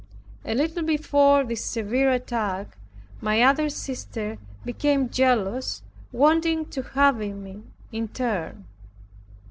A little before this severe attack, my other sister became jealous, wanting to have me in turn.